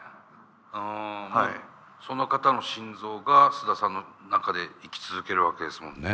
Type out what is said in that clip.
うんその方の心臓がスダさんの中で生き続けるわけですもんね。